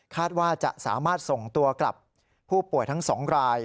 ว่าจะสามารถส่งตัวกลับผู้ป่วยทั้ง๒ราย